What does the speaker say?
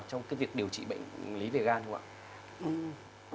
trong cái việc điều trị bệnh lý về gan không ạ